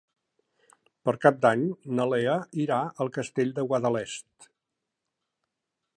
Per Cap d'Any na Lea irà al Castell de Guadalest.